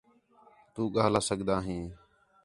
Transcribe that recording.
تُو ڳاہلا سڳدا ہیں